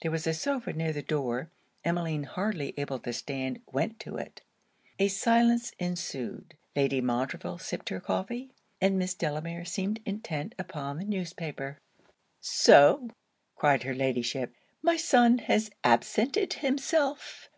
There was a sofa near the door. Emmeline, hardly able to stand, went to it. A silence ensued. Lady Montreville sipped her coffee; and Miss Delamere seemed intent upon the newspaper. 'So!' cried her Ladyship, 'my son has absented himself!